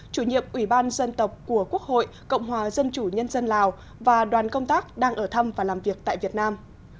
chủ nhiệm ủy ban dân tộc của quốc hội cộng hòa dân chủ nhân dân lào và đoàn công tác đang ở thăm và làm việc tại việt nam